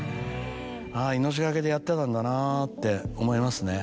あぁ命懸けでやってたんだなって思いますね。